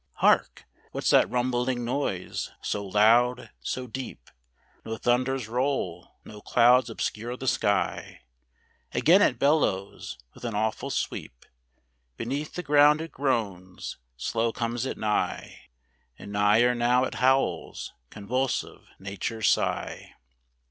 Hark ! what's that rumbling noise, so loud, so deep ? No thunders roll, no clouds obscure the sky: Again it bellows, with an awful sweep Beneath the ground it groans, slow comes it nigh, And nigher now it howls, convulsive nature's sigh.